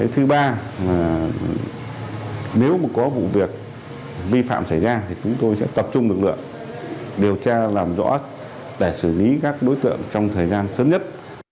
thứ ba nếu có vụ việc vi phạm xảy ra thì chúng tôi sẽ tập trung lực lượng điều tra làm rõ để xử lý các đối tượng trong thời gian sớm nhất